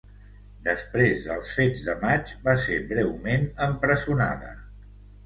Després dels Fets de Maig, va ser breument empresonada.